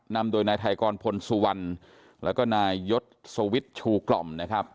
นำโดยนายไทยกรพลสุวรรณแล้วก็นายยศสวิทย์ชูกล่อมนะครับ